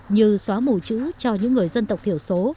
như xóa mù chữ cho những người dân tộc thiểu số